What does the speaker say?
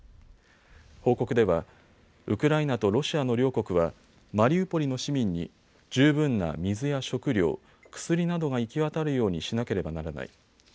報告では、ウクライナとロシアの両国はマリウポリの市民に十分な水や食料、薬などが行き渡るようにしなければならない。